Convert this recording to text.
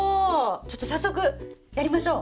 ちょっと早速やりましょう！